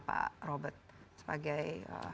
pak robert sebagai